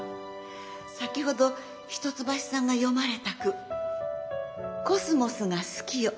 先ほど一橋さんが詠まれた句「秋桜が好きよ